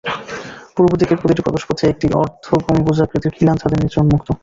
পূর্ব দিকের প্রতিটি প্রবেশপথ একটি অর্ধগম্বুজাকৃতির খিলান ছাদের নিচে উন্মুক্ত।